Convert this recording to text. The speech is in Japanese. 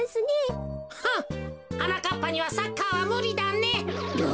はなかっぱにはサッカーはむりだね。